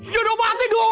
yaudah pasti dong